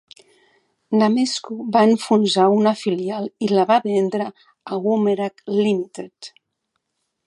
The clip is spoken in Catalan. Namesco va enfonsar una filial i la va vendre a Womerah Limited.